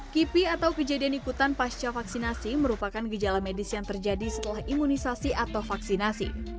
kipi atau kejadian ikutan pasca vaksinasi merupakan gejala medis yang terjadi setelah imunisasi atau vaksinasi